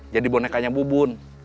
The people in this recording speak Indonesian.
jadi bonekanya bubun